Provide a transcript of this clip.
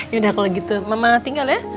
ya udah kalau gitu mama tinggal ya